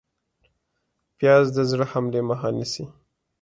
پیاز د زړه حملې مخه نیسي